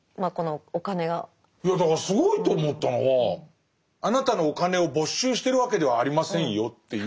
いやだからすごいと思ったのは「あなたのお金を没収してるわけではありませんよ」っていう。